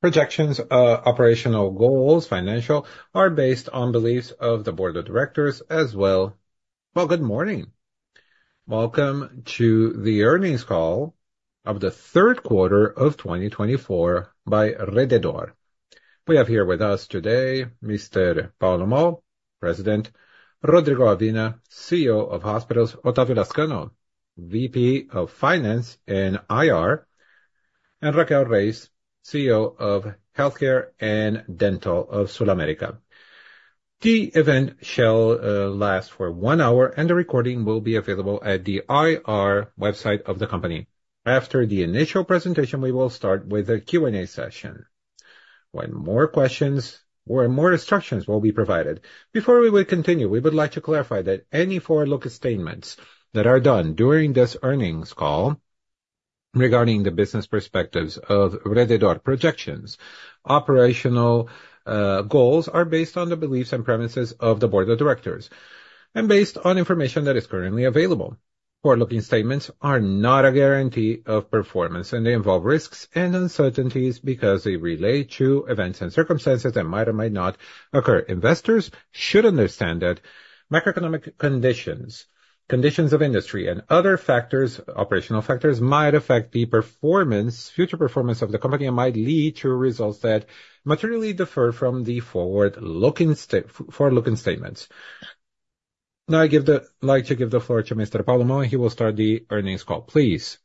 Projections, operational goals, financial, are based on beliefs of the Board of Directors as well. Good morning. Welcome to the earnings call of the third quarter of 2024 by Rede D'Or. We have here with us today, Mr. Paulo Moll, President; Rodrigo Gavina, CEO of Hospitals; Otávio Lazcano, VP of Finance and IR; and Raquel Reis, CEO of Healthcare and Dental of SulAmérica. The event shall last for one hour, and the recording will be available at the IR website of the company. After the initial presentation, we will start with a Q&A session where more questions or more instructions will be provided. Before we continue, we would like to clarify that any forward-looking statements that are done during this earnings call regarding the business perspectives of Rede D'Or projections, operational, goals are based on the beliefs and premises of the Board of Directors and based on information that is currently available. Forward-looking statements are not a guarantee of performance, and they involve risks and uncertainties because they relate to events and circumstances that might or might not occur. Investors should understand that macroeconomic conditions, conditions of industry, and other factors, operational factors, might affect the performance, future performance of the company and might lead to results that materially differ from the forward-looking statements. Now, like to give the floor to Mr. Paulo Moll, and he will start the earnings call. Please,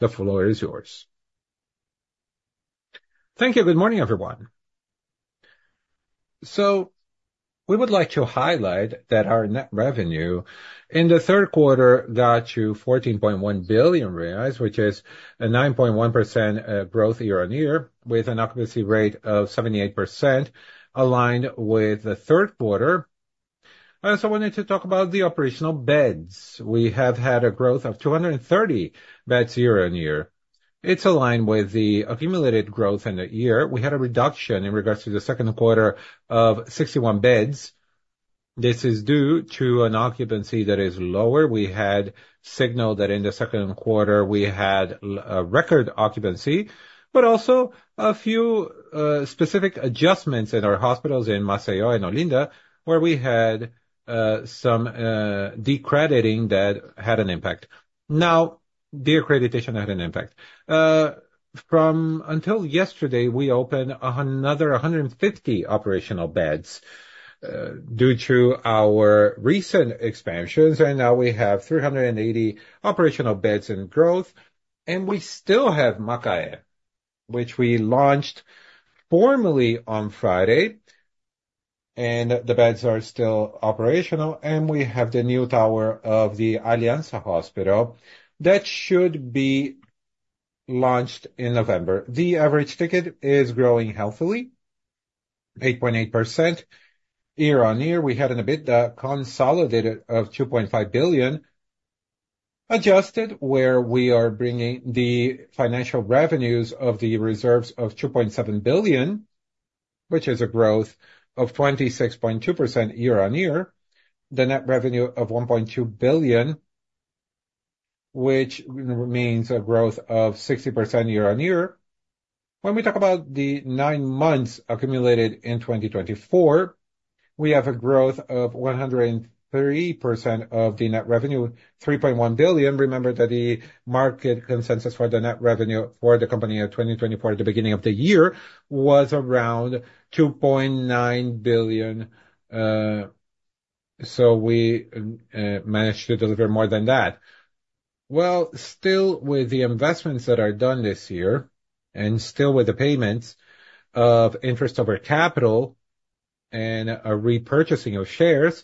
the floor is yours. Thank you. Good morning, everyone. We would like to highlight that our net revenue in the third quarter got to 14.1 billion reais, which is a 9.1% growth year on year, with an occupancy rate of 78%, aligned with the third quarter. I also wanted to talk about the operational beds. We have had a growth of 230 beds year on year. It's aligned with the accumulated growth in the year. We had a reduction in regards to the second quarter of 61 beds. This is due to an occupancy that is lower. We had signaled that in the second quarter we had a record occupancy, but also a few, specific adjustments in our hospitals in Maceió and Olinda, where we had, some, de-accrediting that had an impact. Now, the accreditation had an impact. Up until yesterday, we opened another 150 operational beds due to our recent expansions, and now we have 380 operational beds in growth. We still have Macaé, which we launched formally on Friday, and the beds are still operational. We have the new tower of the Aliança Hospital that should be launched in November. The average ticket is growing healthily, 8.8% year on year. We had an EBITDA consolidated of 2.5 billion, adjusted where we are bringing the financial revenues of the reserves of 2.7 billion, which is a growth of 26.2% year on year, the net revenue of 1.2 billion, which remains a growth of 60% year on year. When we talk about the nine months accumulated in 2024, we have a growth of 130% of the net revenue, 3.1 billion. Remember that the market consensus for the net revenue for the company at 2024, at the beginning of the year, was around 2.9 billion, so we managed to deliver more than that. Well, still with the investments that are done this year and still with the payments of interest on equity and a repurchasing of shares,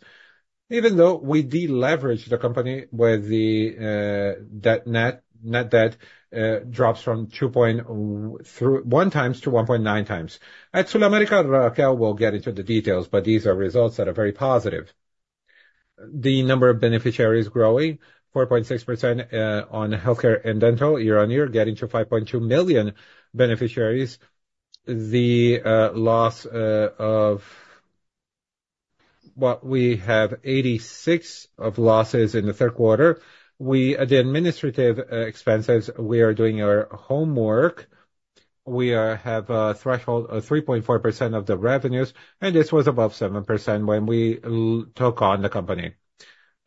even though we deleveraged the company with the debt net, net debt drops from 2.1 times to 1.9 times. At SulAmérica, Raquel will get into the details, but these are results that are very positive. The number of beneficiaries growing 4.6% on healthcare and dental year on year, getting to 5.2 million beneficiaries. The loss ratio. We have 86% losses in the third quarter. With the administrative expenses, we are doing our homework. We have a threshold of 3.4% of the revenues, and this was above 7% when we took on the company.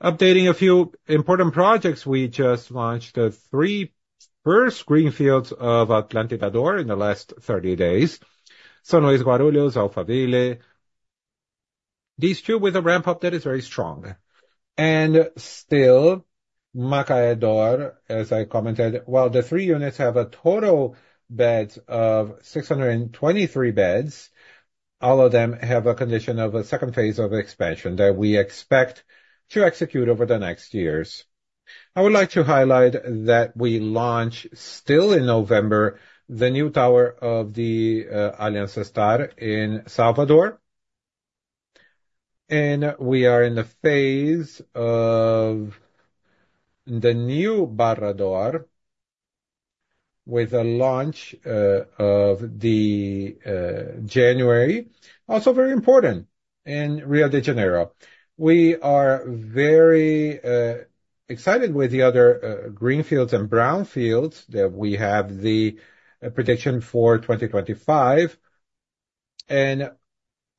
Updating a few important projects. We just launched the three first greenfields of Atlântica D'Or in the last 30 days: São Luiz Guarulhos, Alphaville. These two with a ramp up that is very strong. And still, Macaé D'Or, as I commented, while the three units have a total beds of 623 beds, all of them have a condition of a second phase of expansion that we expect to execute over the next years. I would like to highlight that we launched still in November the new tower of the, Aliança Star in Salvador, and we are in the phase of the new Barra D'Or with a launch, of the, January. Also very important in Rio de Janeiro. We are very excited with the other greenfields and brownfields that we have the prediction for 2025, and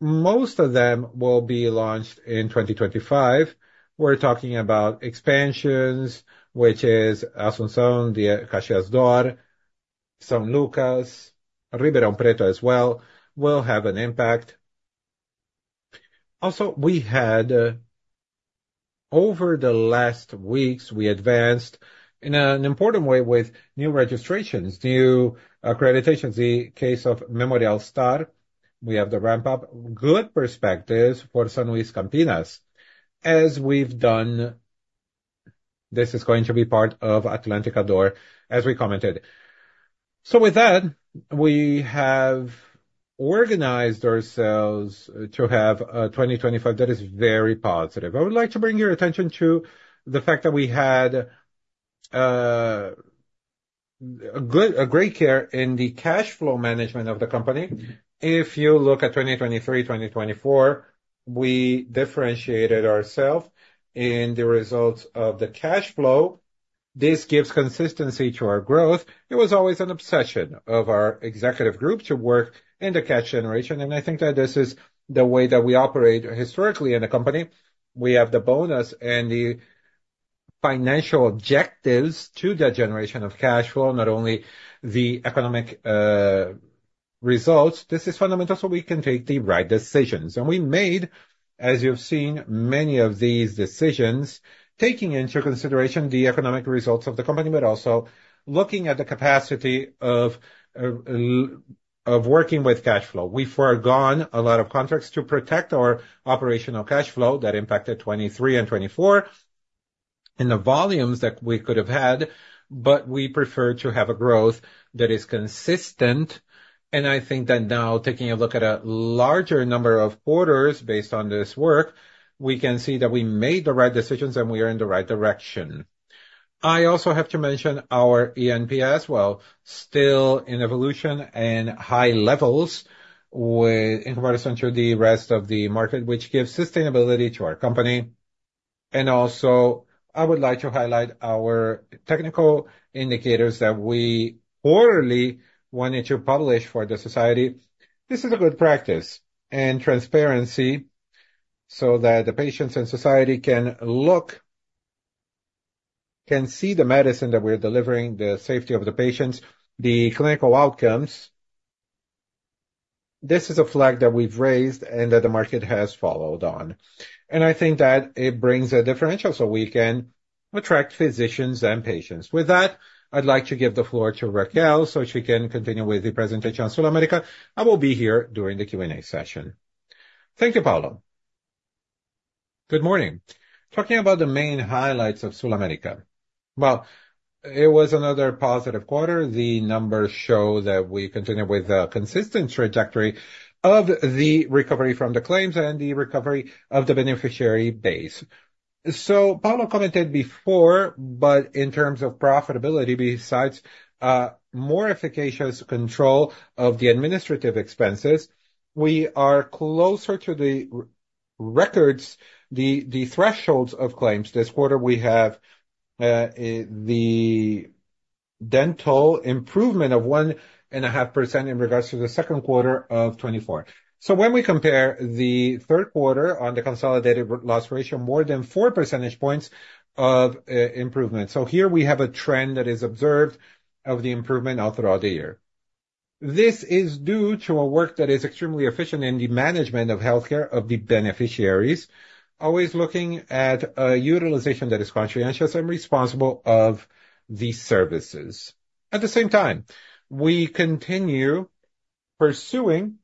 most of them will be launched in 2025. We're talking about expansions, which is Assunção, the Caxias D'Or, São Lucas, Ribeirão Preto as well will have an impact. Also, we had over the last weeks we advanced in an important way with new registrations, new accreditations, the case of Memorial Star. We have the ramp up, good perspectives for São Luiz Campinas, as we've done. This is going to be part of Atlântica D'Or, as we commented. With that, we have organized ourselves to have a 2025 that is very positive. I would like to bring your attention to the fact that we had a great care in the cash flow management of the company. If you look at 2023, 2024, we differentiated ourselves in the results of the cash flow. This gives consistency to our growth. It was always an obsession of our executive group to work in the cash generation, and I think that this is the way that we operate historically in the company. We have the bonus and the financial objectives to that generation of cash flow, not only the economic, results. This is fundamental so we can take the right decisions. And we made, as you've seen, many of these decisions taking into consideration the economic results of the company, but also looking at the capacity of working with cash flow. We've foregone a lot of contracts to protect our operational cash flow that impacted 2023 and 2024 in the volumes that we could have had, but we prefer to have a growth that is consistent. And I think that now, taking a look at a larger number of quarters based on this work, we can see that we made the right decisions and we are in the right direction. I also have to mention our NPS as well, still in evolution and high levels with in comparison to the rest of the market, which gives sustainability to our company. And also, I would like to highlight our technical indicators that we quarterly wanted to publish for the society. This is a good practice and transparency so that the patients and society can look, can see the medicine that we're delivering, the safety of the patients, the clinical outcomes. This is a flag that we've raised and that the market has followed on. And I think that it brings a differential so we can attract physicians and patients. With that, I'd like to give the floor to Raquel so she can continue with the presentation on SulAmérica. I will be here during the Q&A session. Thank you, Paulo. Good morning. Talking about the main highlights of SulAmérica, well, it was another positive quarter. The numbers show that we continue with a consistent trajectory of the recovery from the claims and the recovery of the beneficiary base. So Paulo commented before, but in terms of profitability, besides more efficacious control of the administrative expenses, we are closer to the records, the thresholds of claims. This quarter, we have the dental improvement of 1.5% in regards to the second quarter of 2024. So when we compare the third quarter on the consolidated loss ratio, more than 4 percentage points of improvement. So here we have a trend that is observed of the improvement throughout the year. This is due to a work that is extremely efficient in the management of healthcare of the beneficiaries, always looking at a utilization that is conscientious and responsible of the services. At the same time, we continue pursuing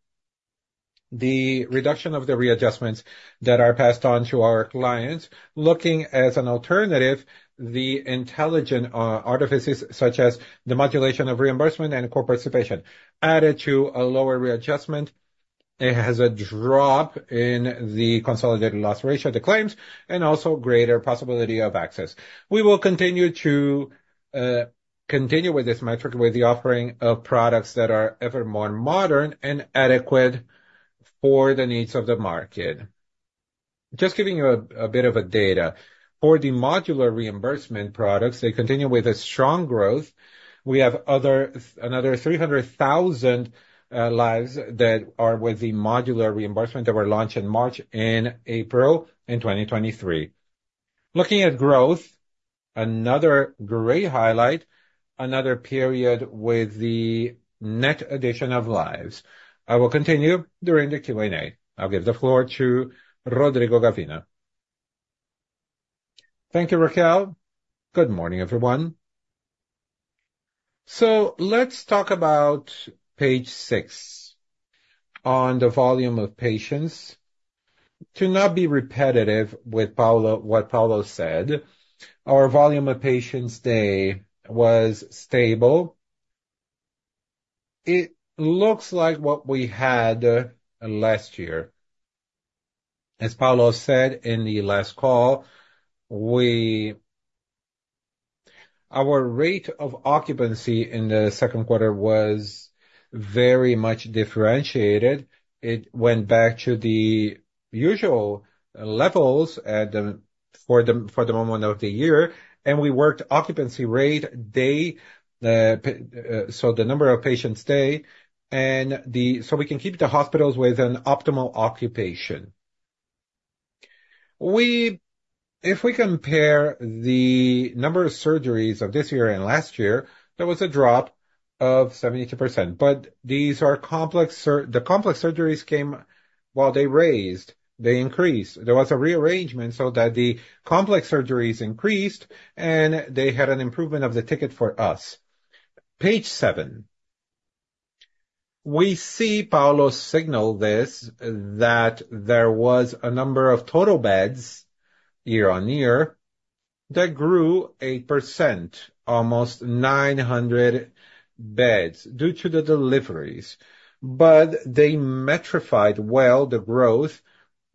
the reduction of the readjustments that are passed on to our clients, looking as an alternative, the intelligent artifices such as the modular reimbursement and co-participation added to a lower readjustment. It has a drop in the consolidated loss ratio of the claims and also greater possibility of access. We will continue with this metric with the offering of products that are ever more modern and adequate for the needs of the market. Just giving you a bit of a data for the modular reimbursement products, they continue with a strong growth. We have another 300,000 lives that are with the modular reimbursement that were launched in March and April in 2023. Looking at growth, another great highlight, another period with the net addition of lives. I will continue during the Q&A. I'll give the floor to Rodrigo Gavina. Thank you, Raquel. Good morning, everyone. So let's talk about page six on the volume of patients. To not be repetitive with Paulo, what Paulo said, our volume of patients day was stable. It looks like what we had last year. As Paulo said in the last call, our rate of occupancy in the second quarter was very much differentiated. It went back to the usual levels for the moment of the year. And we worked occupancy rate day, so the number of patients day and the, so we can keep the hospitals with an optimal occupation. We, if we compare the number of surgeries of this year and last year, there was a drop of 72%, but these are complex. The complex surgeries came while they raised; they increased. There was a rearrangement so that the complex surgeries increased and they had an improvement of the ticket for us. Page seven, we see Paulo's slide. This shows that there was a number of total beds year on year that grew 8%, almost 900 beds due to the deliveries, but they monetized well the growth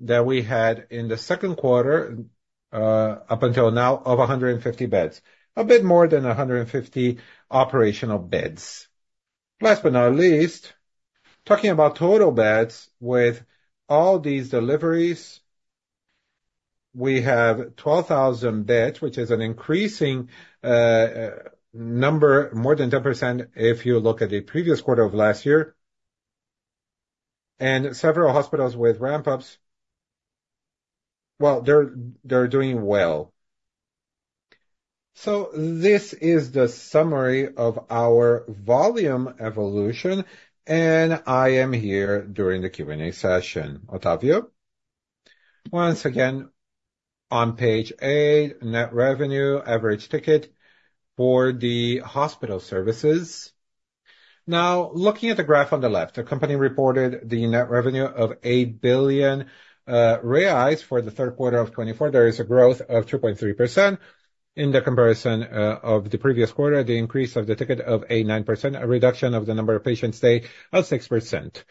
that we had in the second quarter, up until now of 150 beds, a bit more than 150 operational beds. Last but not least, talking about total beds with all these deliveries, we have 12,000 beds, which is an increasing number, more than 10% if you look at the previous quarter of last year and several hospitals with ramp-ups. They're doing well. This is the summary of our volume evolution, and I am here during the Q&A session. Otávio, once again on page eight, net revenue, average ticket for the hospital services. Now looking at the graph on the left, the company reported the net revenue of 8 billion reais for the third quarter of 2024. There is a growth of 2.3% in the comparison of the previous quarter, the increase of the ticket of 8.9%, a reduction of the number of patient days of 6%.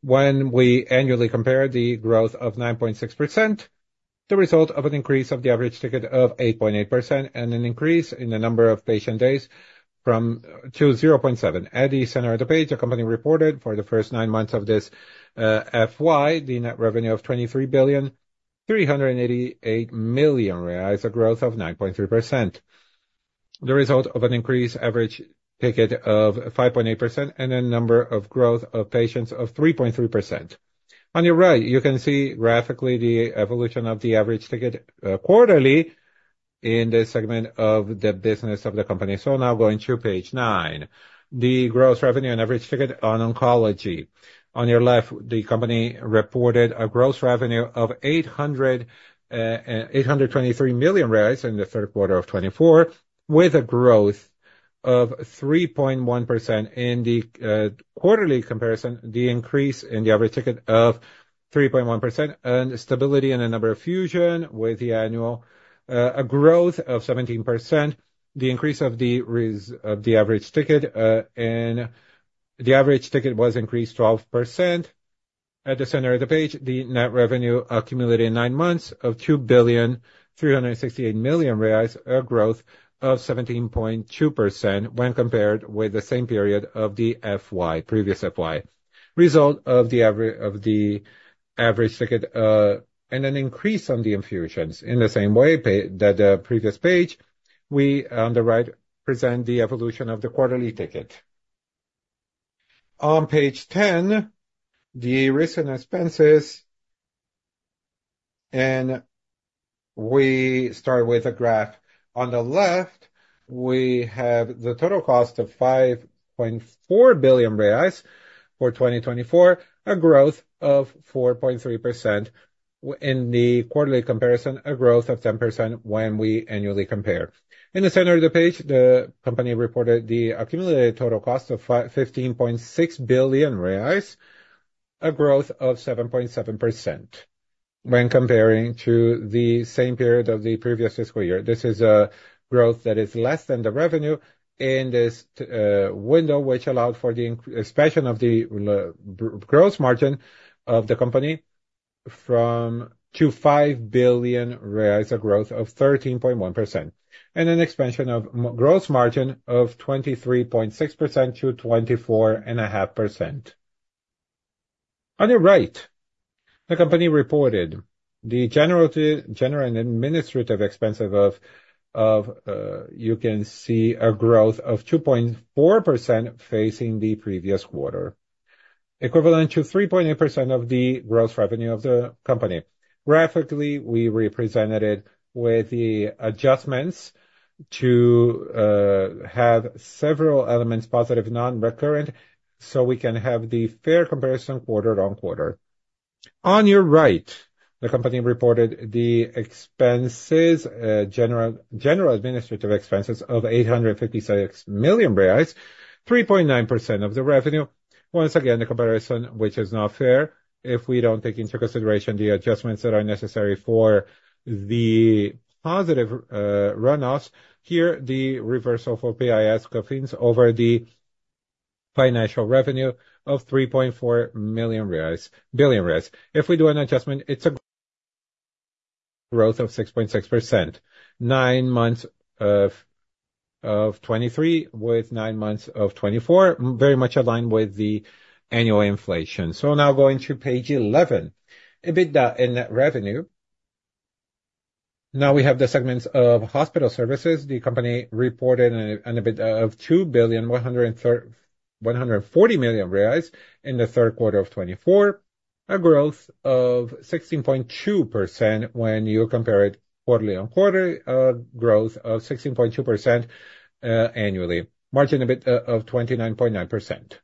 When we annually compare the growth of 9.6%, the result of an increase of the average ticket of 8.8% and an increase in the number of patient days of 0.7%. At the center of the page, the company reported for the first nine months of this FY the net revenue of 23.388 billion, a growth of 9.3%. The result of an increased average ticket of 5.8% and a number of growth of patients of 3.3%. On your right, you can see graphically the evolution of the average ticket quarterly in the segment of the business of the company. So now going to page nine, the gross revenue and average ticket on oncology. On your left, the company reported a gross revenue of 823 million reais in the third quarter of 2024 with a growth of 3.1% in the quarterly comparison, the increase in the average ticket of 3.1% and stability in the number of patients with the annual a growth of 17%. The increase of the average ticket, and the average ticket was increased 12%. At the center of the page, the net revenue accumulated in nine months of 2.368 billion, a growth of 17.2% when compared with the same period of the previous FY. Result of the average ticket, and an increase on the infusions in the same way that the previous page. We, on the right, present the evolution of the quarterly ticket. On page 10, the recent expenses, and we start with a graph. On the left, we have the total cost of 5.4 billion reais for 2024, a growth of 4.3% in the quarterly comparison, a growth of 10% when we annually compare. In the center of the page, the company reported the accumulated total cost of 15.6 billion reais, a growth of 7.7% when comparing to the same period of the previous fiscal year. This is a growth that is less than the revenue in this window, which allowed for the expansion of the gross margin of the company from to 5 billion reais, a growth of 13.1% and an expansion of gross margin of 23.6% to 24.5%. On your right, the company reported the general and administrative expenses. You can see a growth of 2.4% facing the previous quarter, equivalent to 3.8% of the gross revenue of the company. Graphically, we represented it with the adjustments to have several elements positive, non-recurrent, so we can have the fair comparison quarter on quarter. On your right, the company reported general administrative expenses of 856 million reais, 3.9% of the revenue. Once again, the comparison, which is not fair if we don't take into consideration the adjustments that are necessary for the positive one-offs. Here the reversal for PIS/COFINS over the financial revenue of 3.4 million reais. If we do an adjustment, it's a growth of 6.6%, nine months of 2023 with nine months of 2024, very much aligned with the annual inflation. So now going to page 11, EBIT in net revenue. Now we have the segments of hospital services. The company reported an EBIT of 2.140 billion in the third quarter of 2024, a growth of 16.2% when you compare it quarterly on quarter, a growth of 16.2%, annually, EBIT margin of 29.9%.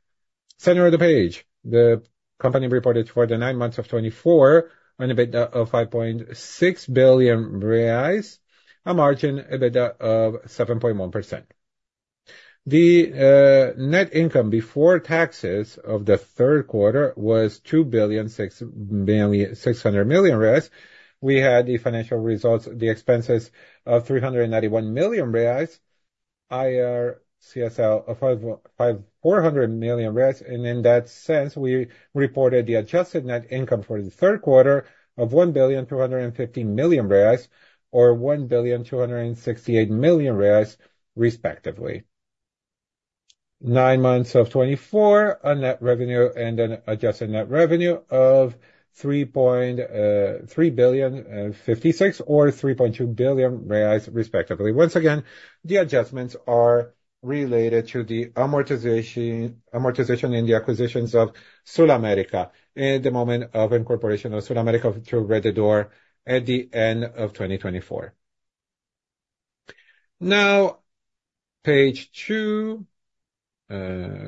Net revenue, the company reported for the nine months of 2024 of 5.6 billion reais, a margin of 7.1%. The net income before taxes of the third quarter was 2.6 billion. We had the financial expenses of 391 million reais, IR/CSLL of 5.4 billion reais. In that sense, we reported the adjusted net income for the third quarter of 1.25 billion or 1.268 billion respectively. Nine months of 2024, a net revenue and an adjusted net revenue of 3.356 billion or 3.2 billion reais respectively. Once again, the adjustments are related to the amortization in the acquisitions of SulAmérica at the moment of incorporation of SulAmérica through Rede D'Or at the end of 2024. Now, page two,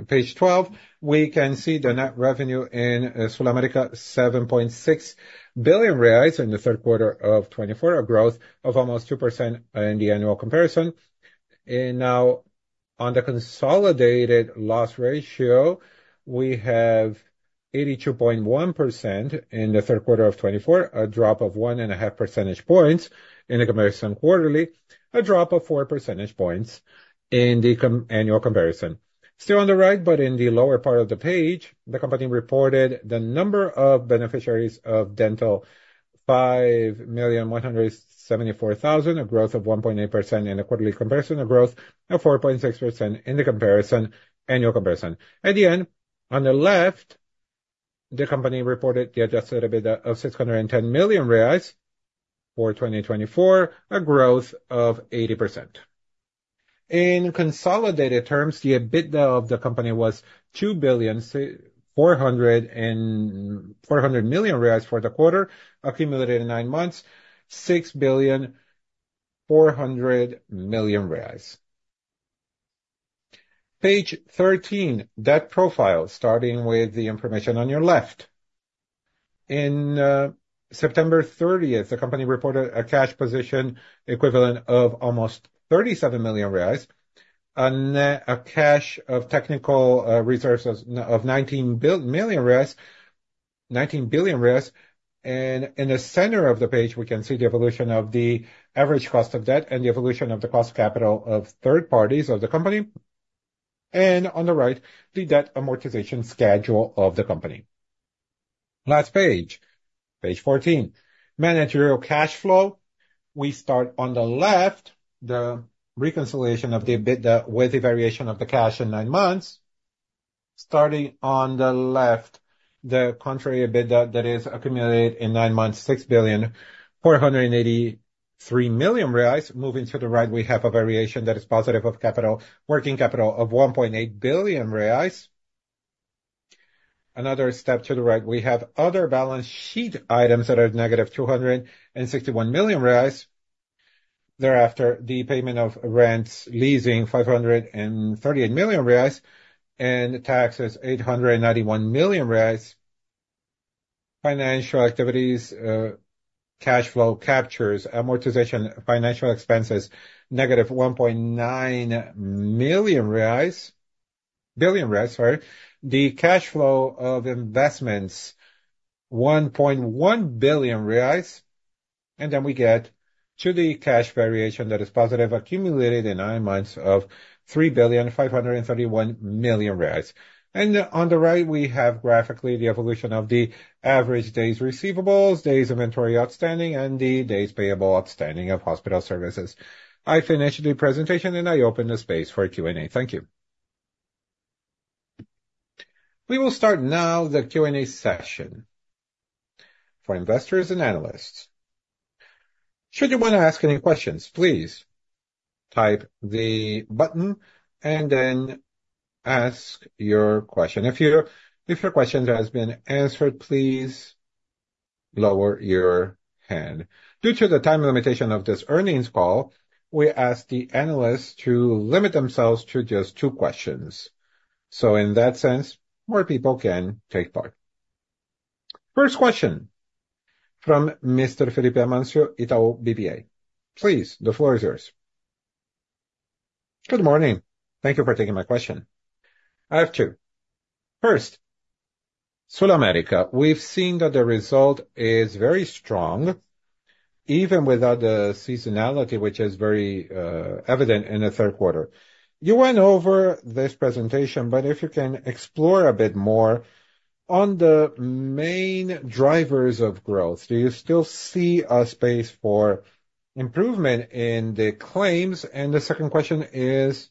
page 12, we can see the net revenue in SulAmérica, 7.6 billion reais in the third quarter of 2024, a growth of almost 2% in the annual comparison. And now on the consolidated loss ratio, we have 82.1% in the third quarter of 2024, a drop of 1.5 percentage points in the comparison quarterly, a drop of 4 percentage points in the annual comparison. Still on the right, but in the lower part of the page, the company reported the number of beneficiaries of dental, 5.174 million a growth of 1.8% in the quarterly comparison, a growth of 4.6% in the comparison, annual comparison. At the end, on the left, the company reported the adjusted EBIT of 610 million reais for 2024, a growth of 80%. In consolidated terms, the EBITDA of the company was 2.4 billion for the quarter, accumulated in nine months, 6.4 billion. Page 13, that profile starting with the information on your left. On September 30th, the company reported a cash position equivalent of almost 37 million reais, a net cash and technical reserves of 19 billion reais. And in the center of the page, we can see the evolution of the average cost of debt and the evolution of the cost of capital of third parties of the company. And on the right, the debt amortization schedule of the company. Last page, page 14, managerial cash flow. We start on the left, the reconciliation of the EBITDA with the variation of the cash in nine months. Starting on the left, the Consolidated EBITDA that is accumulated in nine months, 6.483 billion. Moving to the right, we have a variation that is positive of capital, working capital of 1.8 billion reais. Another step to the right, we have other balance sheet items that are negative 261 million reais. Thereafter, the payment of rents, leasing, 538 million reais and taxes, BRL 891 million. Financial activities, cash flow captures, amortization, financial expenses, negative 1.9 million reais, billion reais, sorry. The cash flow of investments, 1.1 billion reais. And then we get to the cash variation that is positive, accumulated in nine months of 3.531 billion. And on the right, we have graphically the evolution of the average days receivables, days inventory outstanding, and the days payable outstanding of hospital services. I finished the presentation and I opened the space for Q&A. Thank you. We will start now the Q&A session for investors and analysts. Should you want to ask any questions, please type the button and then ask your question. If your question has been answered, please lower your hand. Due to the time limitation of this earnings call, we ask the analysts to limit themselves to just two questions. So in that sense, more people can take part. First question from Mr. Felipe Amancio, Itaú BBA. Please, the floor is yours. Good morning. Thank you for taking my question. I have two. First, SulAmérica, we've seen that the result is very strong, even without the seasonality, which is very evident in the third quarter. You went over this presentation, but if you can explore a bit more on the main drivers of growth, do you still see a space for improvement in the claims? The second question is,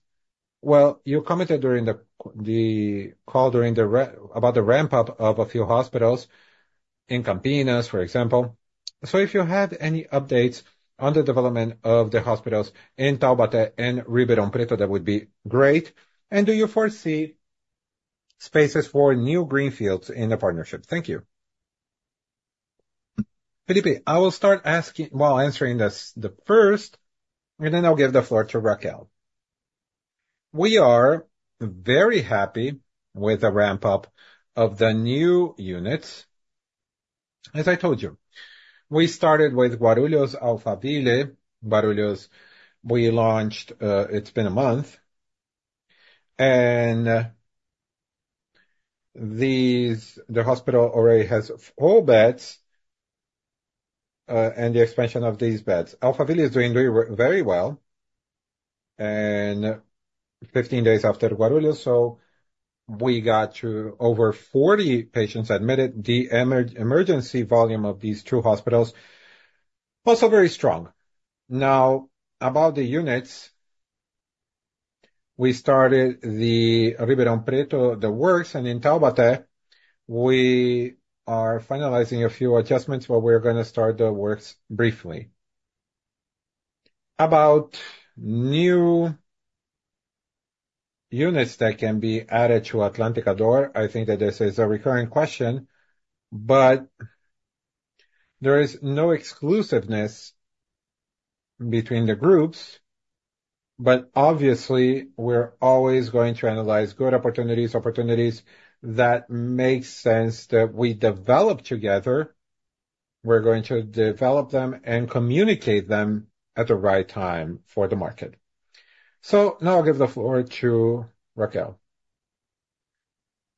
well, you commented during the call about the ramp up of a few hospitals in Campinas, for example. So if you have any updates on the development of the hospitals in Taubaté and Ribeirão Preto, that would be great. And do you foresee spaces for new greenfields in the partnership? Thank you. Felipe, I will start asking, while answering this, the first, and then I'll give the floor to Raquel. We are very happy with the ramp up of the new units. As I told you, we started with Alphaville, Guarulhos. We launched, it's been a month and these, the hospital already has full beds, and the expansion of these beds. Alphaville is doing very well and 15 days after Guarulhos. So we got to over 40 patients admitted. The emergency volume of these two hospitals also very strong. Now about the units, we started the Ribeirão Preto, the works, and in Taubaté, we are finalizing a few adjustments, but we're gonna start the works briefly. About new units that can be added to Atlântica D'Or, I think that this is a recurring question, but there is no exclusiveness between the groups. But obviously, we're always going to analyze good opportunities, opportunities that make sense that we develop together. We're going to develop them and communicate them at the right time for the market. So now I'll give the floor to Raquel.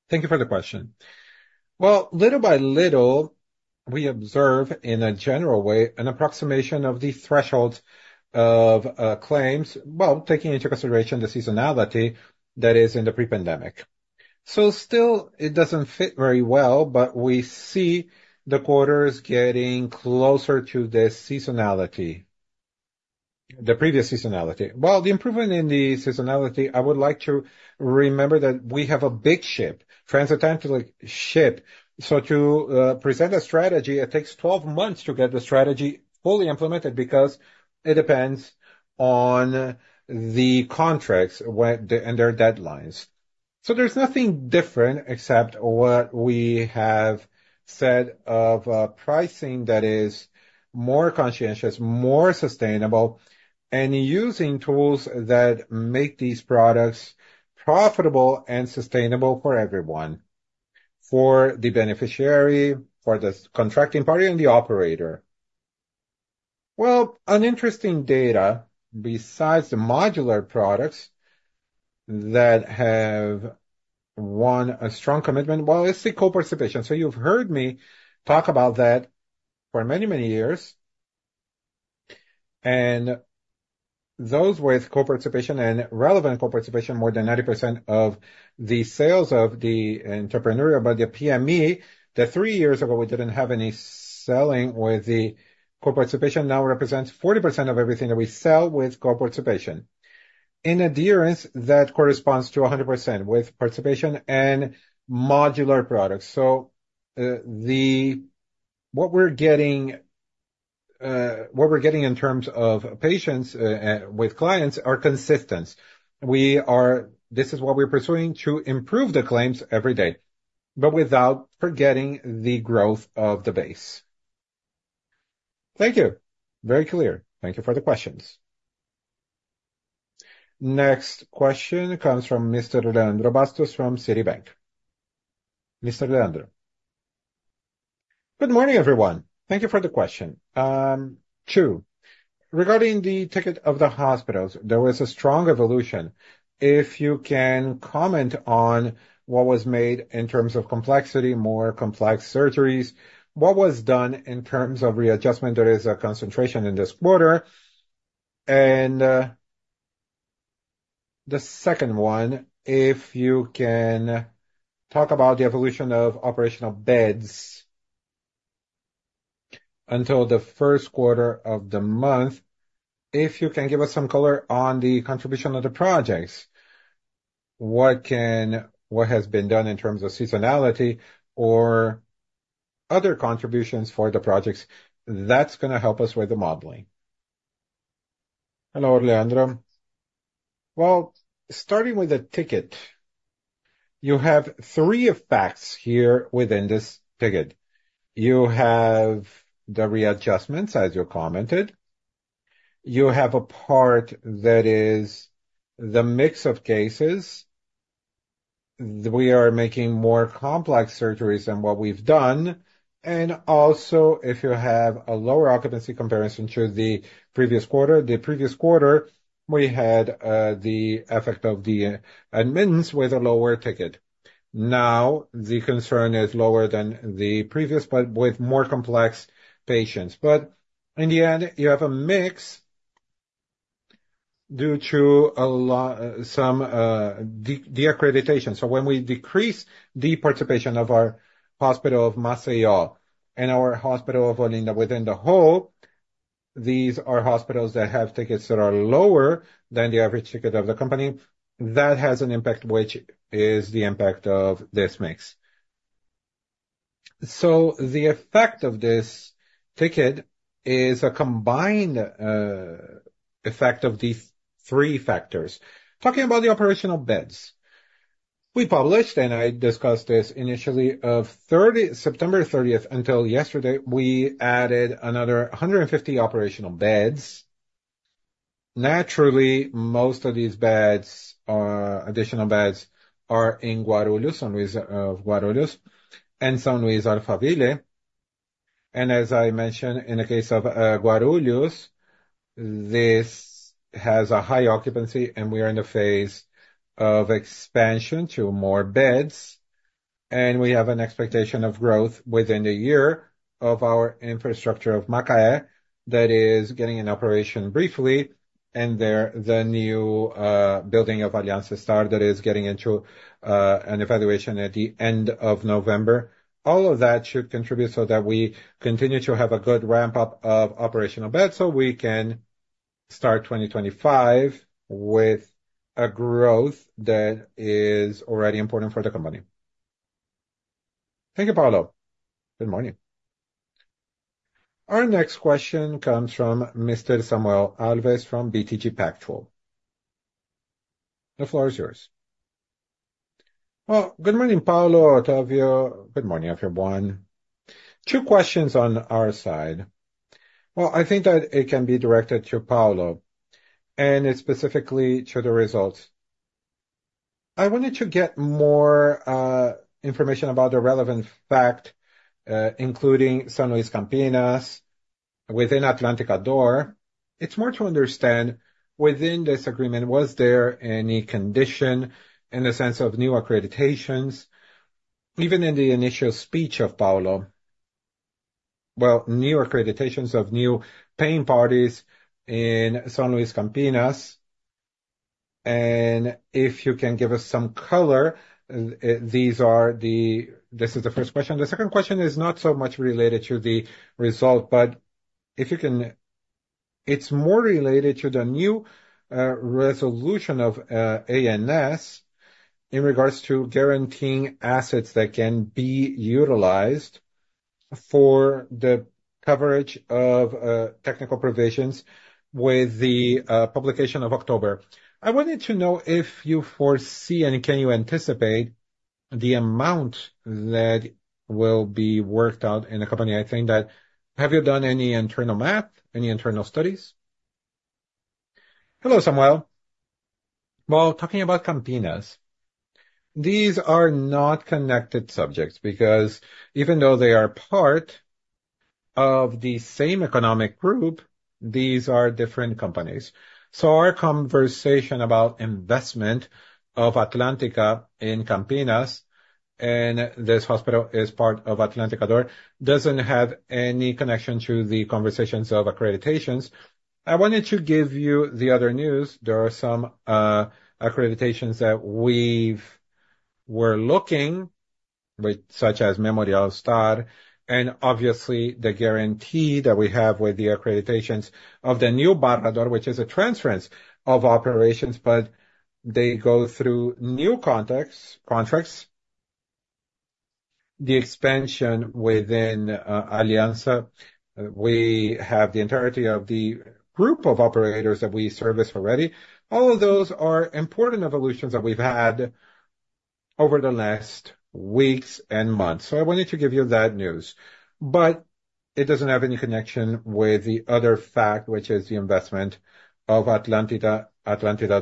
Thank you for the question. Well, little by little, we observe in a general way, an approximation of the thresholds of claims, while taking into consideration the seasonality that is in the pre-pandemic. So still, it doesn't fit very well, but we see the quarters getting closer to the seasonality, the previous seasonality. The improvement in the seasonality. I would like to remember that we have a big ship, transatlantic ship. To present a strategy, it takes 12 months to get the strategy fully implemented because it depends on the contracts when they and their deadlines. There's nothing different except what we have said of pricing that is more conscientious, more sustainable, and using tools that make these products profitable and sustainable for everyone, for the beneficiary, for the contracting party and the operator. An interesting data besides the modular products that have won a strong commitment. It's the co-participation. You've heard me talk about that for many, many years. And those with co-participation and relevant co-participation, more than 90% of the sales of the entrepreneurial, but the PME, that three years ago we didn't have any selling with the co-participation now represents 40% of everything that we sell with co-participation in adherence that corresponds to 100% with participation and modular products. So, the, what we're getting, what we're getting in terms of patients, with clients are consistent. We are, this is what we're pursuing to improve the claims every day, but without forgetting the growth of the base. Thank you. Very clear. Thank you for the questions. Next question comes from Mr. Leandro Bastos from Citibank. Mr. Leandro, good morning everyone. Thank you for the question. Too, regarding the ticket of the hospitals, there was a strong evolution. If you can comment on what was made in terms of complexity, more complex surgeries, what was done in terms of readjustment, there is a concentration in this quarter, and the second one, if you can talk about the evolution of operational beds until the first quarter of the month, if you can give us some color on the contribution of the projects, what can, what has been done in terms of seasonality or other contributions for the projects that's gonna help us with the modeling. Hello, Leandro. Well, starting with the ticket, you have three effects here within this ticket. You have the readjustments, as you commented. You have a part that is the mix of cases. We are making more complex surgeries than what we've done. If you have a lower occupancy comparison to the previous quarter, the previous quarter, we had the effect of the admittance with a lower ticket. Now the concern is lower than the previous, but with more complex patients. But in the end, you have a mix due to some de-accreditation. So when we decrease the participation of our hospital of Maceió and our hospital of Olinda within the whole, these are hospitals that have tickets that are lower than the average ticket of the company. That has an impact, which is the impact of this mix. So the effect of this ticket is a combined effect of these three factors. Talking about the operational beds, we published, and I discussed this initially as of September 30th until yesterday, we added another 150 operational beds. Naturally, most of these beds, additional beds are in Guarulhos, São Luiz Guarulhos, and São Luiz Alphaville. As I mentioned, in the case of Guarulhos, this has a high occupancy and we are in the phase of expansion to more beds. We have an expectation of growth within the year of our infrastructure of Macaé that is getting in operation briefly. There the new building of Aliança Star that is getting into an evaluation at the end of November. All of that should contribute so that we continue to have a good ramp up of operational beds so we can start 2025 with a growth that is already important for the company. Thank you, Paulo. Good morning. Our next question comes from Mr. Samuel Alves from BTG Pactual. The floor is yours. Good morning, Paulo, Otávio. Good morning, everyone. Two questions on our side. I think that it can be directed to Paulo, and it's specifically to the results. I wanted to get more information about the relevant fact, including São Luiz Campinas within Atlântica D'Or. It's more to understand within this agreement: was there any condition in the sense of new accreditations? Even in the initial speech of Paulo, well, new accreditations of new paying parties in São Luiz Campinas. And if you can give us some color, this is the first question. The second question is not so much related to the result, but if you can, it's more related to the new resolution of ANS in regards to guaranteeing assets that can be utilized for the coverage of technical provisions with the publication of October. I wanted to know if you foresee and can you anticipate the amount that will be worked out in a company. I think that have you done any internal math, any internal studies? Hello, Samuel. Well, talking about Campinas, these are not connected subjects because even though they are part of the same economic group, these are different companies. So our conversation about investment of Atlântica in Campinas and this hospital is part of Atlântica D'Or doesn't have any connection to the conversations of accreditations. I wanted to give you the other news. There are some accreditations that we're looking with such as Memorial Star and obviously the guarantee that we have with the accreditations of the new Barra D'Or, which is a transference of operations, but they go through new contracts, the expansion within Aliança. We have the entirety of the group of operators that we service already. All of those are important evolutions that we've had over the last weeks and months. I wanted to give you that news, but it doesn't have any connection with the other fact, which is the investment of Atlântica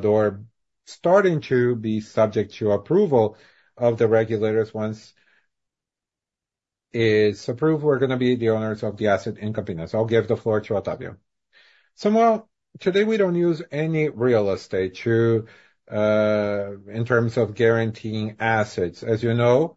D'Or starting to be subject to approval of the regulators. Once it's approved, we're gonna be the owners of the asset in Campinas. I'll give the floor to Otávio. Samuel, today we don't use any real estate in terms of guaranteeing assets. As you know,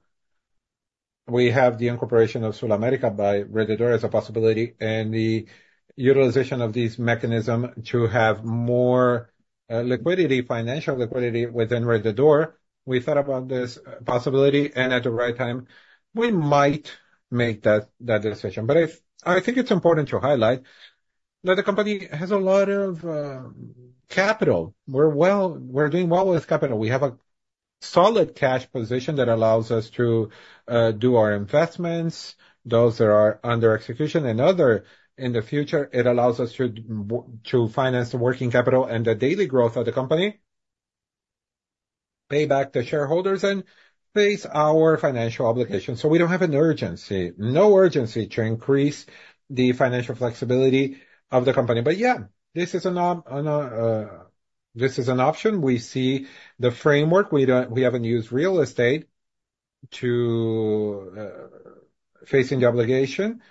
we have the incorporation of SulAmérica by Rede D'Or as a possibility and the utilization of this mechanism to have more financial liquidity within Rede D'Or. We thought about this possibility and at the right time we might make that decision. But I think it's important to highlight that the company has a lot of capital. We're doing well with capital. We have a solid cash position that allows us to do our investments, those that are under execution and other in the future. It allows us to finance the working capital and the daily growth of the company, pay back the shareholders and face our financial obligations. So we don't have an urgency to increase the financial flexibility of the company. But yeah, this is an option. We see the framework. We don't, we haven't used real estate to facing the obligation,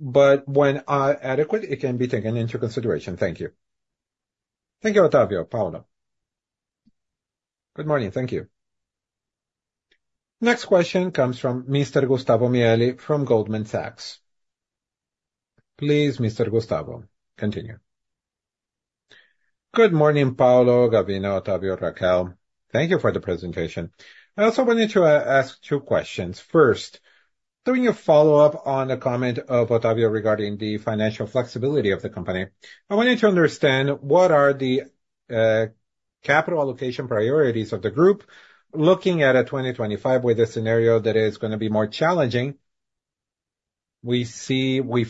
but when adequate, it can be taken into consideration. Thank you. Thank you, Otávio. Paulo, good morning. Thank you. Next question comes from Mr. Gustavo Miele from Goldman Sachs. Please, Mr. Gustavo, continue. Good morning, Paulo, Gavina, Otávio, Raquel. Thank you for the presentation. I also wanted to ask two questions. First, doing a follow-up on a comment of Otávio regarding the financial flexibility of the company. I wanted to understand what are the capital allocation priorities of the group looking at a 2025 with a scenario that is gonna be more challenging. We see great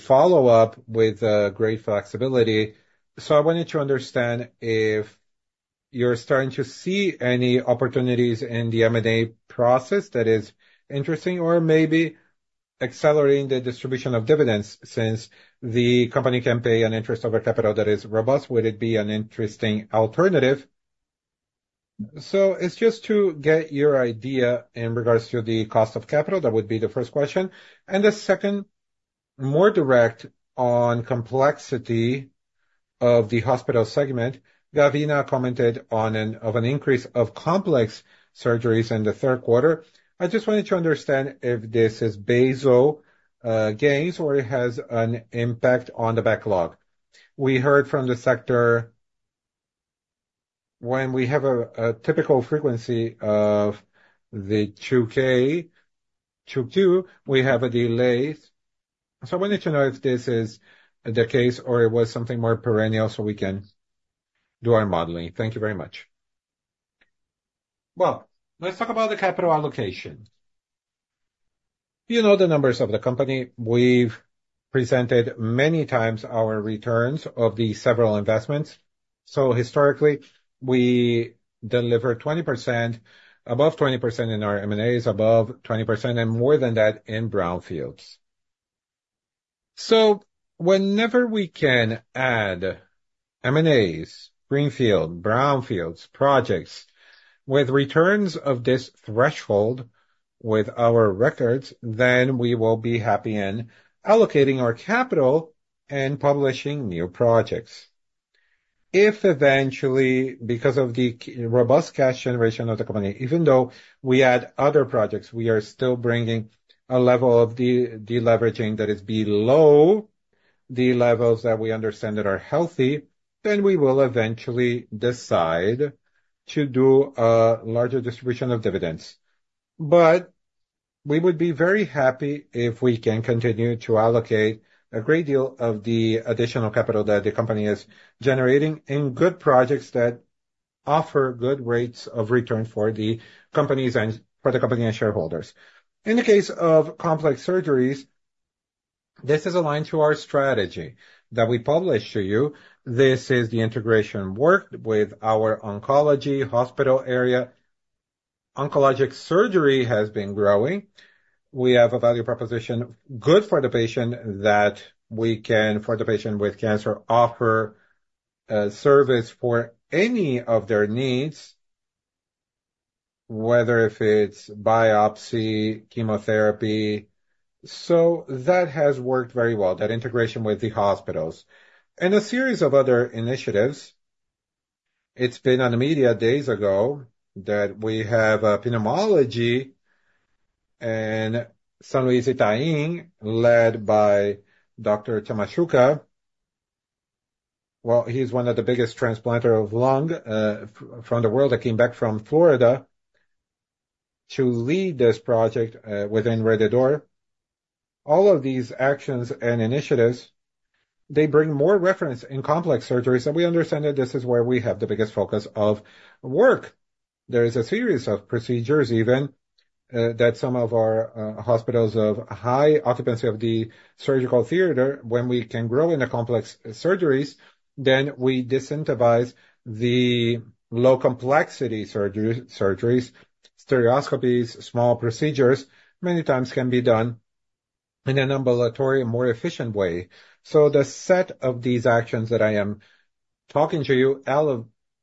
flexibility. So I wanted to understand if you're starting to see any opportunities in the M&A process that is interesting or maybe accelerating the distribution of dividends since the company can pay an interest over capital that is robust. Would it be an interesting alternative? So it's just to get your idea in regards to the cost of capital. That would be the first question. And the second, more direct on complexity of the hospital segment. Gavina commented on an increase of complex surgeries in the third quarter. I just wanted to understand if this is basal, gains or it has an impact on the backlog. We heard from the sector when we have a typical frequency of the 2Q to 2Q, we have a delay. So I wanted to know if this is the case or it was something more perennial so we can do our modeling. Thank you very much. Let's talk about the capital allocation. You know the numbers of the company. We've presented many times our returns of the several investments. So historically, we deliver 20%, above 20% in our M&As, above 20%, and more than that in brownfields. So whenever we can add M&As, greenfield, brownfields projects with returns of this threshold with our records, then we will be happy in allocating our capital and publishing new projects. If eventually, because of the robust cash generation of the company, even though we add other projects, we are still bringing a level of the leveraging that is below the levels that we understand that are healthy, then we will eventually decide to do a larger distribution of dividends. But we would be very happy if we can continue to allocate a great deal of the additional capital that the company is generating in good projects that offer good rates of return for the companies and for the company and shareholders. In the case of complex surgeries, this is aligned to our strategy that we published to you. This is the integration work with our oncology hospital area. Oncologic surgery has been growing. We have a value proposition good for the patient that we can, for the patient with cancer, offer a service for any of their needs, whether it's biopsy, chemotherapy. So that has worked very well, that integration with the hospitals and a series of other initiatives. It's been on the media days ago that we have a pneumology at São Luiz Itaim led by Dr. Tiago Machuca. Well, he's one of the biggest lung transplanters in the world that came back from Florida to lead this project, within Rede D'Or. All of these actions and initiatives, they bring more reference in complex surgeries, and we understand that this is where we have the biggest focus of work. There is a series of procedures even, that some of our hospitals of high occupancy of the surgical theater, when we can grow in the complex surgeries, then we disincentivize the low complexity surgeries, endoscopies, small procedures many times can be done in an ambulatory and more efficient way. So the set of these actions that I am talking to you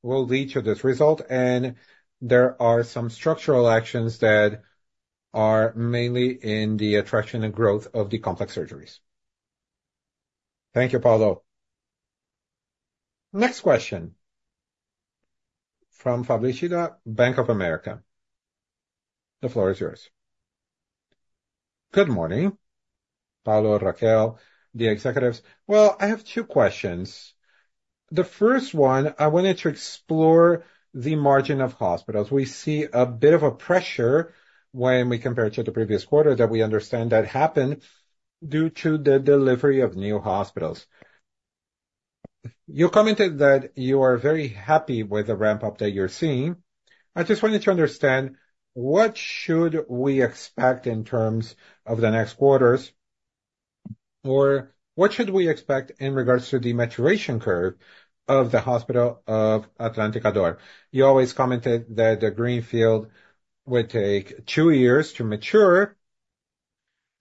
will lead to this result, and there are some structural actions that are mainly in the attraction and growth of the complex surgeries. Thank you, Paulo. Next question from Fred, Bank of America. The floor is yours. Good morning, Paulo, Raquel, the executives. I have two questions. The first one, I wanted to explore the margin of hospitals. We see a bit of a pressure when we compare to the previous quarter that we understand that happened due to the delivery of new hospitals. You commented that you are very happy with the ramp up that you're seeing. I just wanted to understand what should we expect in terms of the next quarters or what should we expect in regards to the maturation curve of the hospital of Atlântica D'Or. You always commented that the greenfield would take two years to mature.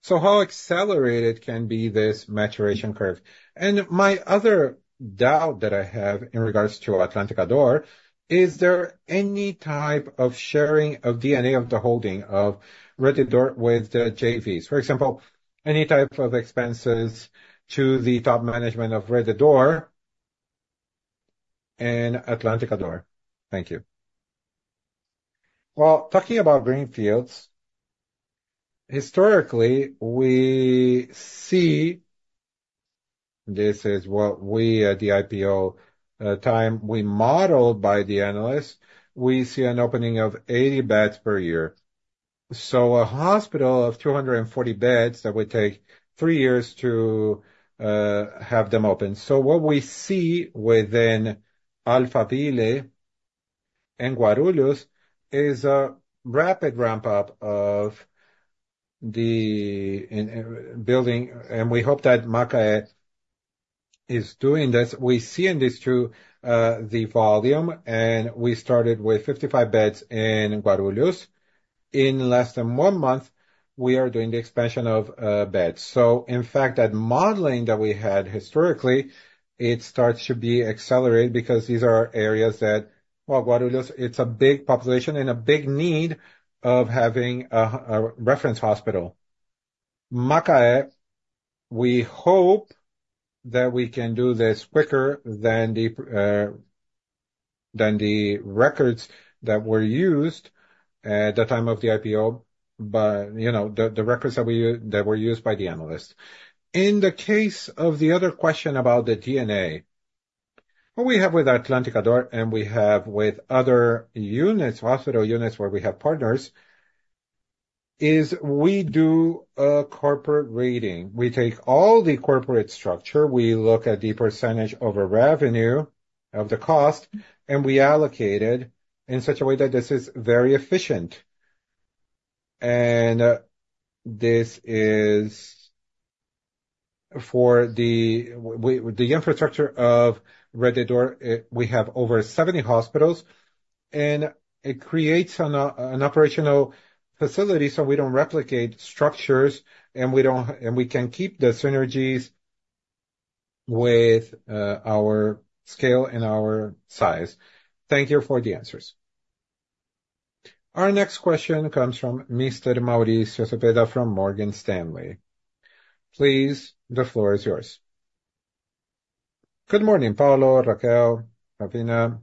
So how accelerated can be this maturation curve? And my other doubt that I have in regards to Atlântica D'Or, is there any type of sharing of DNA of the holding of Rede D'Or with the JVs? For example, any type of expenses to the top management of Rede D'Or and Atlântica D'Or? Thank you. Well, talking about greenfields, historically we see, this is what we at the IPO, time we modeled by the analysts, we see an opening of 80 beds per year. A hospital of 240 beds that would take three years to have them open. What we see within Alphaville and Guarulhos is a rapid ramp up of the building. We hope that Macaé is doing this. We see in these two the volume and we started with 55 beds in Guarulhos. In less than one month, we are doing the expansion of beds. In fact, that modeling that we had historically starts to be accelerated because these are areas that, well, Guarulhos, it's a big population and a big need of having a reference hospital. Macaé, we hope that we can do this quicker than the records that were used at the time of the IPO, but you know, the records that were used by the analysts. In the case of the other question about the D'Or, what we have with Atlântica D'Or and we have with other units, hospital units where we have partners, is we do a corporate rating. We take all the corporate structure, we look at the percentage of a revenue of the cost, and we allocate it in such a way that this is very efficient. And this is for the infrastructure of Rede D'Or, we have over 70 hospitals and it creates an operational facility so we don't replicate structures and we can keep the synergies with our scale and our size. Thank you for the answers. Our next question comes from Mr. Maurício Cepeda from Morgan Stanley. Please, the floor is yours. Good morning, Paulo, Raquel, Gavina.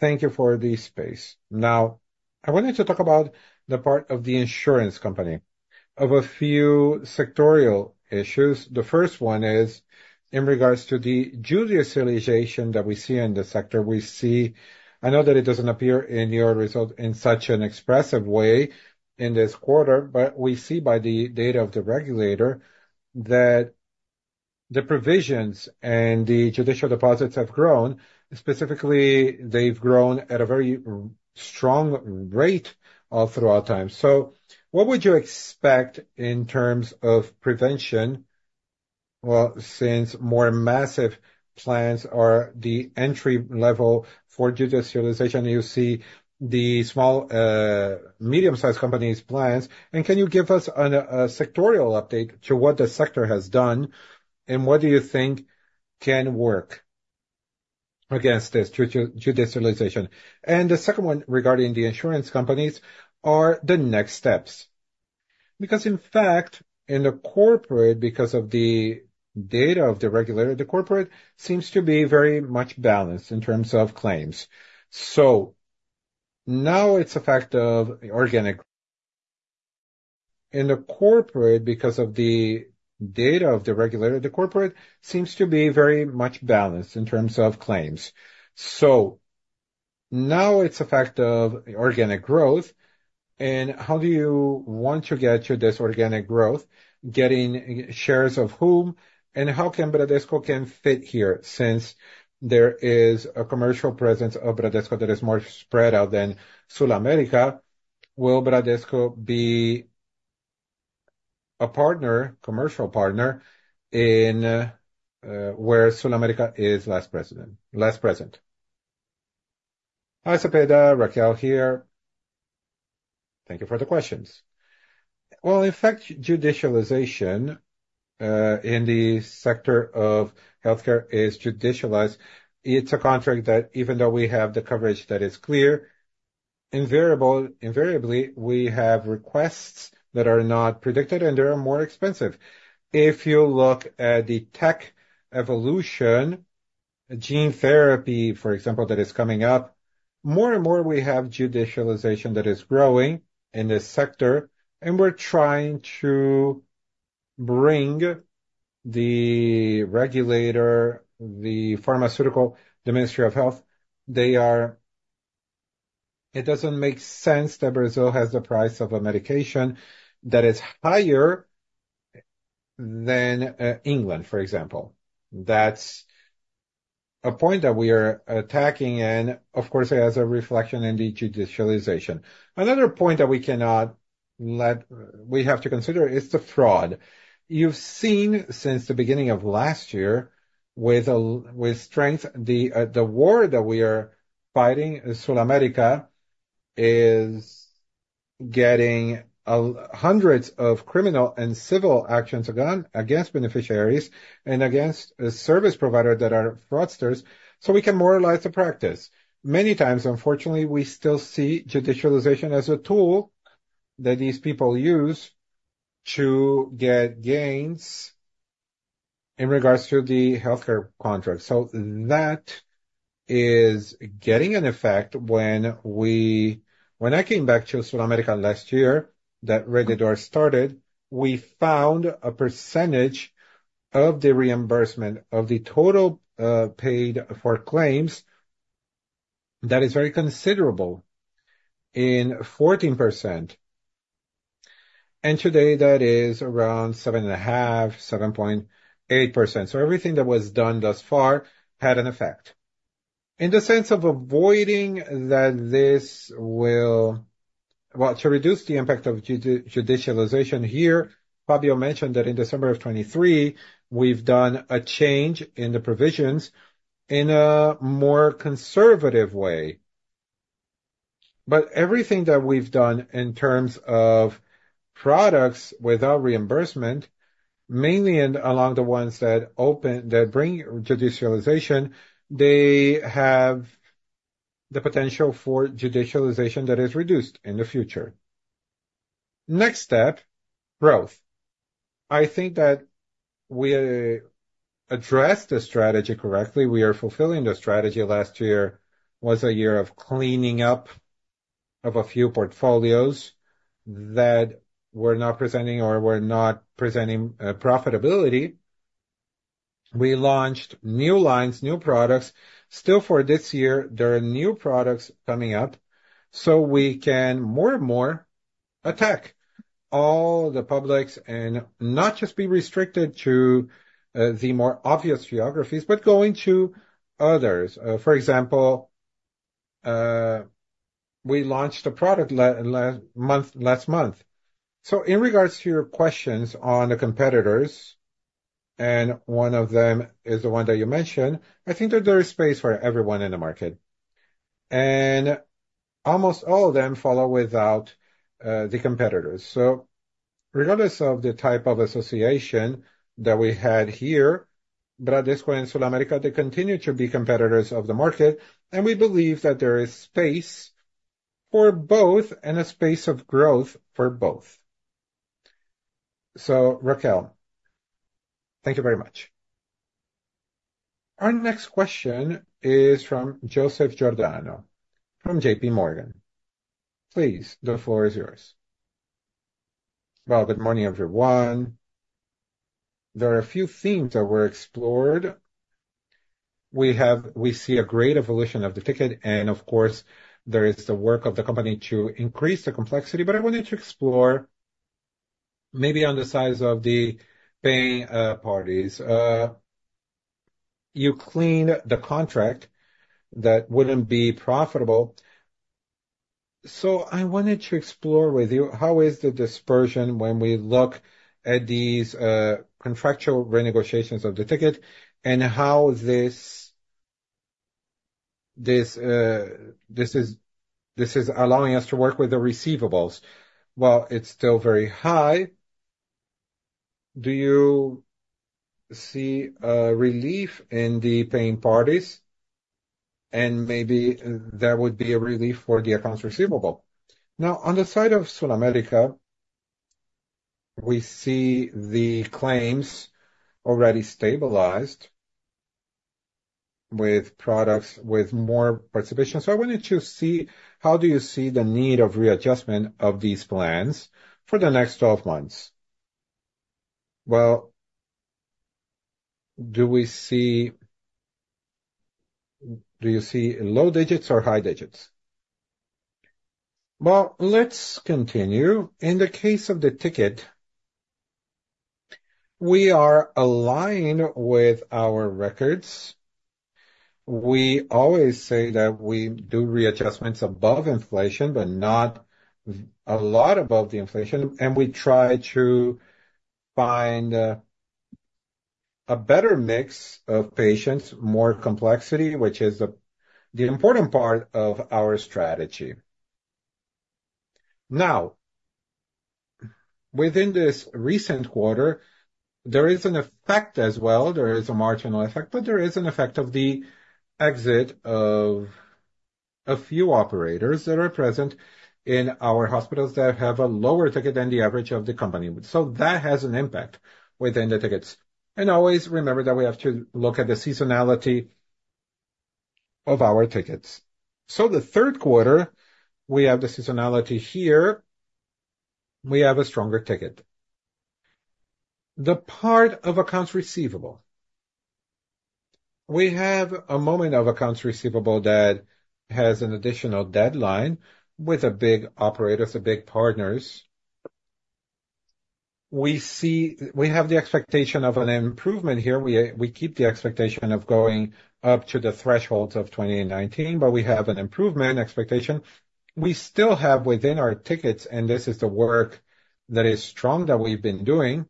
Thank you for the space. Now, I wanted to talk about the part of the insurance company of a few sectoral issues. The first one is in regards to the judicialization that we see in the sector. We see. I know that it doesn't appear in your results in such an expressive way in this quarter, but we see by the data of the regulator that the provisions and the judicial deposits have grown. Specifically, they've grown at a very strong rate all throughout time. So what would you expect in terms of prevention? Well, since more massive plans are the entry level for judicialization, you see the small, medium-sized companies' plans. And can you give us a sectoral update to what the sector has done and what do you think can work against this judicialization? And the second one regarding the insurance companies are the next steps. Because in fact, in the corporate, because of the data of the regulator, the corporate seems to be very much balanced in terms of claims. So now it's a fact of organic growth. And how do you want to get to this organic growth, getting shares of whom and how can Bradesco fit here since there is a commercial presence of Bradesco that is more spread out than SulAmérica? Will Bradesco be a partner, commercial partner in where SulAmérica is less present? Hi, Cepeda, Raquel here. Thank you for the questions. Well, in fact, judicialization in the sector of healthcare is judicialized. It's a contract that even though we have the coverage that is clear and variable, invariably we have requests that are not predicted and they're more expensive. If you look at the tech evolution, a gene therapy, for example, that is coming up, more and more we have judicialization that is growing in this sector and we're trying to bring the regulator, the pharmaceutical, the Ministry of Health, they are, it doesn't make sense that Brazil has the price of a medication that is higher than England, for example. That's a point that we are attacking and of course it has a reflection in the judicialization. Another point that we cannot let, we have to consider, is the fraud. You've seen since the beginning of last year with strength the war that we are fighting in SulAmérica is getting hundreds of criminal and civil actions against beneficiaries and against service providers that are fraudsters, so we can moralize the practice. Many times, unfortunately, we still see judicialization as a tool that these people use to get gains in regards to the healthcare contract. That is getting an effect when I came back to SulAmérica last year that Rede D'Or started; we found a percentage of the reimbursement of the total paid for claims that is very considerable in 14%. And today that is around seven and a half, 7.8%. Everything that was done thus far had an effect in the sense of avoiding that this will, well, to reduce the impact of judicialization here. Fabio mentioned that in December of 2023, we've done a change in the provisions in a more conservative way, but everything that we've done in terms of products without reimbursement, mainly and along the ones that open, that bring judicialization, they have the potential for judicialization that is reduced in the future. Next step, growth. I think that we addressed the strategy correctly. We are fulfilling the strategy. Last year was a year of cleaning up of a few portfolios that were not presenting profitability. We launched new lines, new products. Still, for this year, there are new products coming up, so we can more and more attack all the publics and not just be restricted to the more obvious geographies, but going to others. For example, we launched a product last month. In regards to your questions on the competitors, and one of them is the one that you mentioned, I think that there is space for everyone in the market. And almost all of them follow without, the competitors. So regardless of the type of association that we had here, Bradesco and SulAmérica, they continue to be competitors of the market. And we believe that there is space for both and a space of growth for both. So, Raquel, thank you very much. Our next question is from Joseph Giordano from JP Morgan. Please, the floor is yours. Well, good morning, everyone. There are a few themes that were explored. We have, we see a great evolution of the ticket. And of course, there is the work of the company to increase the complexity. But I wanted to explore maybe on the size of the paying, parties. You clean the contract that wouldn't be profitable. So I wanted to explore with you how is the dispersion when we look at these contractual renegotiations of the ticket and how this is allowing us to work with the receivables. It's still very high. Do you see a relief in the paying parties, and maybe there would be a relief for the accounts receivable. Now, on the side of SulAmérica, we see the claims already stabilized with products with more participation. So I wanted to see how do you see the need of readjustment of these plans for the next 12 months? Do you see low digits or high digits? Let's continue. In the case of the ticket, we are aligned with our records. We always say that we do readjustments above inflation, but not a lot above the inflation. And we try to find a better mix of patients, more complexity, which is the important part of our strategy. Now, within this recent quarter, there is an effect as well. There is a marginal effect, but there is an effect of the exit of a few operators that are present in our hospitals that have a lower ticket than the average of the company. So that has an impact within the tickets. And always remember that we have to look at the seasonality of our tickets. So the third quarter, we have the seasonality here. We have a stronger ticket. The part of accounts receivable, we have a moment of accounts receivable that has an additional deadline with a big operators, a big partners. We see we have the expectation of an improvement here. We keep the expectation of going up to the thresholds of 2019, but we have an improvement expectation. We still have within our tickets, and this is the work that is strong that we've been doing.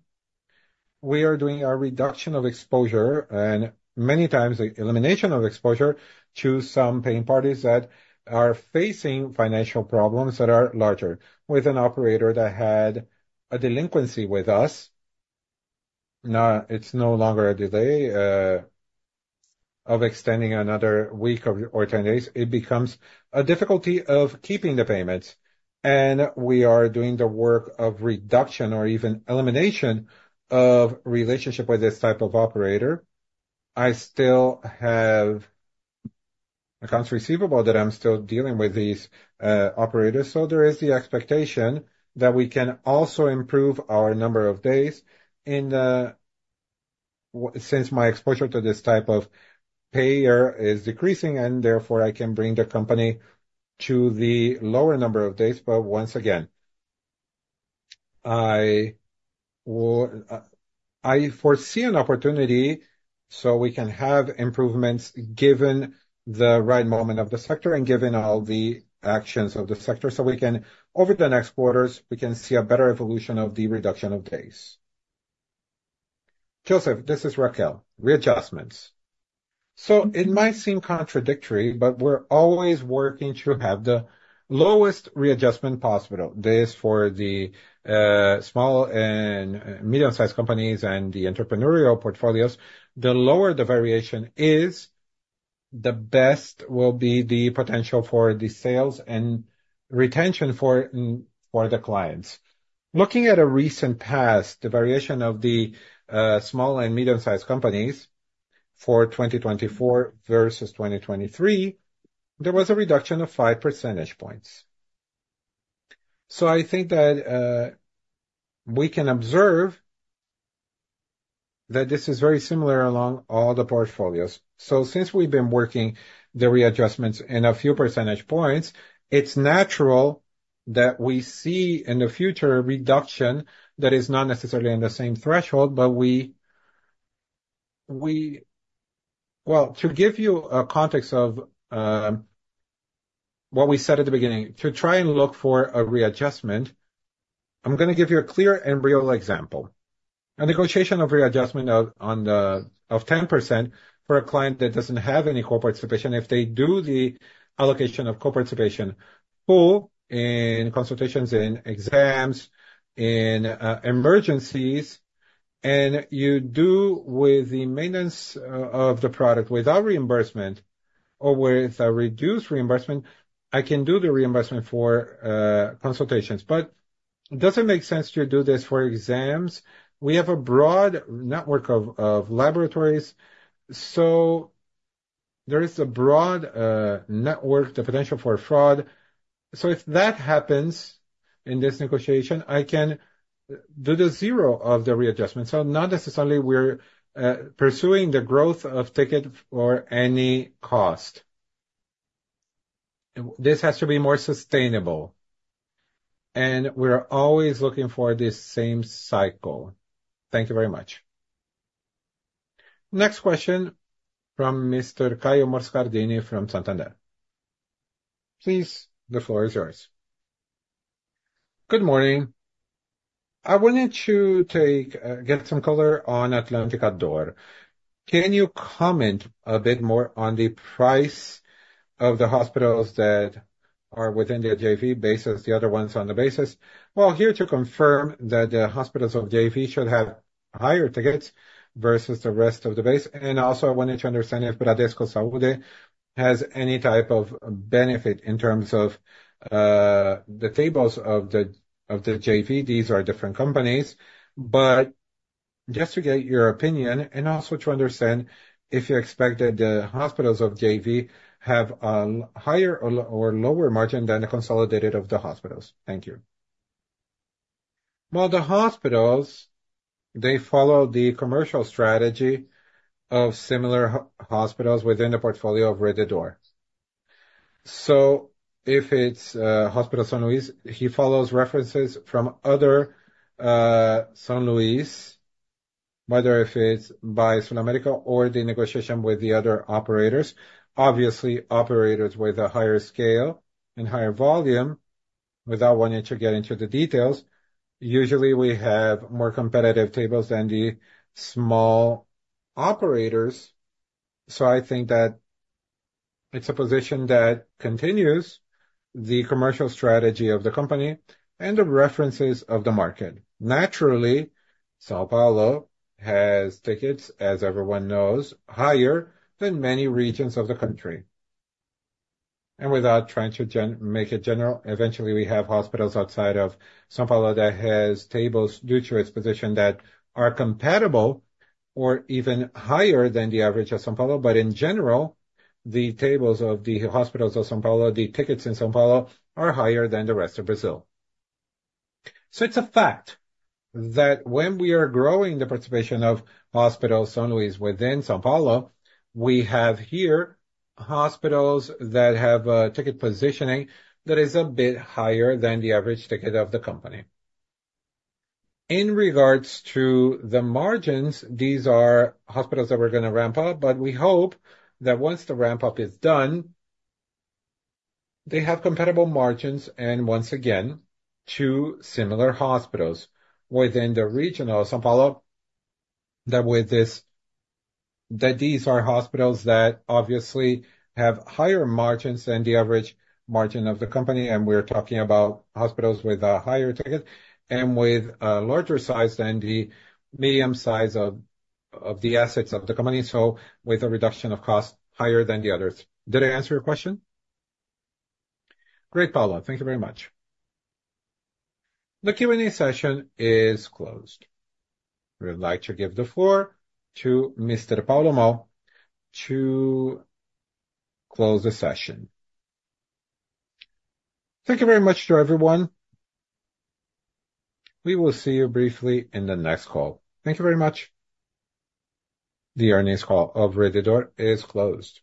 We are doing our reduction of exposure and many times the elimination of exposure to some paying parties that are facing financial problems that are larger with an operator that had a delinquency with us. Now it's no longer a delay of extending another week or 10 days. It becomes a difficulty of keeping the payments, and we are doing the work of reduction or even elimination of relationship with this type of operator. I still have accounts receivable that I'm still dealing with these operators. So there is the expectation that we can also improve our number of days, since my exposure to this type of payer is decreasing and therefore I can bring the company to the lower number of days. But once again, I will, I foresee an opportunity so we can have improvements given the right moment of the sector and given all the actions of the sector. We can, over the next quarters, we can see a better evolution of the reduction of days. Joseph, this is Raquel, readjustments. It might seem contradictory, but we're always working to have the lowest readjustment possible. This for the small and medium-sized companies and the entrepreneurial portfolios, the lower the variation is, the best will be the potential for the sales and retention for the clients. Looking at a recent past, the variation of the small and medium-sized companies for 2024 versus 2023, there was a reduction of five percentage points, so I think that we can observe that this is very similar along all the portfolios, so since we've been working the readjustments in a few percentage points, it's natural that we see in the future a reduction that is not necessarily in the same threshold, but we, well, to give you a context of what we said at the beginning, to try and look for a readjustment, I'm going to give you a clear and real example. A negotiation of readjustment of 10% for a client that doesn't have any co-participation. If they do the allocation of co-participation full in consultations, in exams, in emergencies, and you do with the maintenance of the product without reimbursement or with a reduced reimbursement, I can do the reimbursement for consultations. But it doesn't make sense to do this for exams. We have a broad network of laboratories. So there is a broad network, the potential for fraud. So if that happens in this negotiation, I can do the zero of the readjustment. So not necessarily we're pursuing the growth of ticket for any cost. This has to be more sustainable, and we're always looking for this same cycle. Thank you very much. Next question from Mr. Caio Moscardini from Santander. Please, the floor is yours. Good morning. I wanted to get some color on Atlântica D'Or. Can you comment a bit more on the price of the hospitals that are within the JV base, the other ones on the base? Well, here to confirm that the hospitals of JV should have higher tickets versus the rest of the base. And also I wanted to understand if Bradesco Saúde has any type of benefit in terms of, the tables of the, of the JV. These are different companies. But just to get your opinion and also to understand if you expect that the hospitals of JV have a higher or lower margin than the consolidated of the hospitals. Thank you. Well, the hospitals, they follow the commercial strategy of similar hospitals within the portfolio of Rede D'Or. So if it's, Hospital São Luiz, he follows references from other, São Luiz, whether if it's by SulAmérica or the negotiation with the other operators. Obviously, operators with a higher scale and higher volume, without wanting to get into the details, usually we have more competitive tables than the small operators. So I think that it's a position that continues the commercial strategy of the company and the references of the market. Naturally, São Paulo has tickets, as everyone knows, higher than many regions of the country. And without trying to make it general, eventually we have hospitals outside of São Paulo that have tables due to its position that are compatible or even higher than the average of São Paulo. But in general, the tables of the hospitals of São Paulo, the tickets in São Paulo are higher than the rest of Brazil. It's a fact that when we are growing the participation of Hospital São Luiz within São Paulo, we have here hospitals that have a ticket positioning that is a bit higher than the average ticket of the company. In regards to the margins, these are hospitals that we're going to ramp up, but we hope that once the ramp up is done, they have compatible margins and once again to similar hospitals within the region of São Paulo that with this, that these are hospitals that obviously have higher margins than the average margin of the company. We're talking about hospitals with a higher ticket and with a larger size than the medium size of the assets of the company. With a reduction of cost higher than the others. Did I answer your question? Great, Paulo. Thank you very much. The Q&A session is closed. We would like to give the floor to Mr. Paulo Moll to close the session. Thank you very much to everyone. We will see you briefly in the next call. Thank you very much. The earnings call of Rede D'Or is closed.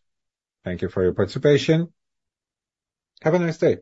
Thank you for your participation. Have a nice day.